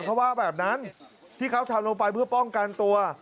เขาว่าแบบนั้นที่เขาทำลงไปเพื่อป้องกันตัว